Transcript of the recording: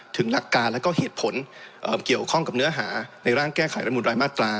หลักการแล้วก็เหตุผลเกี่ยวข้องกับเนื้อหาในร่างแก้ไขรัฐมูลรายมาตรา